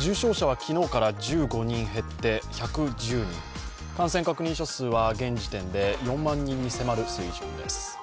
重症者は昨日から１５人減って１１０人感染確認者数は現時点で４万人に迫る水準です。